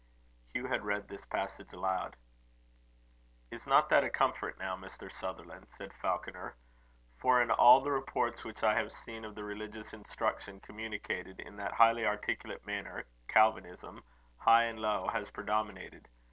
Hugh had read this passage aloud. "Is not that a comfort, now, Mr. Sutherland?" said Falconer. "For in all the reports which I have seen of the religious instruction communicated in that highly articulate manner, Calvinism, high and low, has predominated.